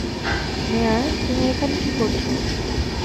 মেয়ার, তুমি এখানে কি করছো?